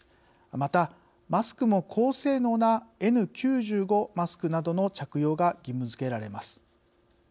また、マスクも高性能なＮ９５マスクなどの着用が義務づけられます。